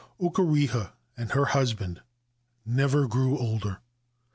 Okureha and her husband never grew older.